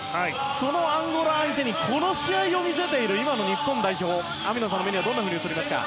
そのアンゴラ相手にこの試合を見せている今の日本代表網野さんの目にはどんなふうに映りますか。